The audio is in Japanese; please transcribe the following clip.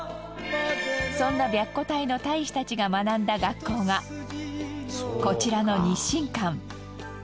そんな白虎隊の隊士たちが学んだ学校がこちらの日新館。